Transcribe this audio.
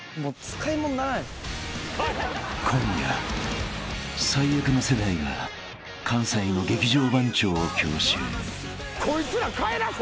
［今夜最悪の世代が関西の劇場番長を強襲］